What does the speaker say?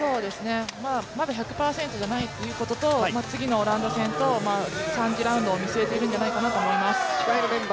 まだ１００％じゃないということと次のオランダ戦と３次ラウンドを見据えているんじゃないかと思います。